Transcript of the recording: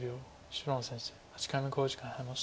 芝野先生８回目の考慮時間に入りました。